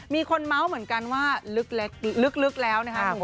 มีคนเมาส์เหมือนกันว่าลึกแล้วนะคะ